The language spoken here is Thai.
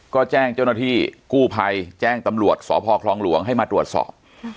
ก็แจ้งเจ้าหน้าที่กู้ภัยแจ้งตำรวจสพคลองหลวงให้มาตรวจสอบ